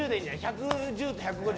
１１０と１５０